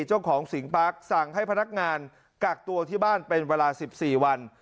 เจ้าของสิงปาร์คสั่งให้พนักงานกักตัวที่บ้านเป็นเวลา๑๔วัน